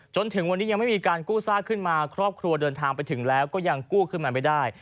จนถึงวันนี้ยังไม่มีการกู้ซากขึ้นมาครอบครัวเดินทางไปถึงแล้วก็ยังกู้ขึ้นมาไม่ได้